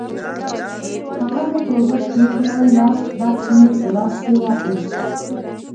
هغه مې پر اوږه کېښوول، لاسي بکس مې په لاس کې واخیست.